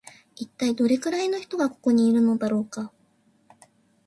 一体どれくらいの人がここのいるのだろうか